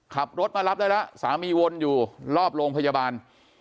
ขับรถมารับได้แล้วสามีวนอยู่รอบโรงพยาบาล